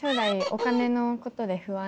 お金のことで不安。